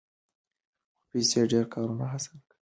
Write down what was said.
خو پیسې ډېر کارونه اسانه کوي.